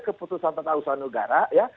keputusan ketausahaan negara ya